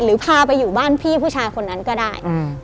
พาไปอยู่บ้านพี่ผู้ชายคนนั้นก็ได้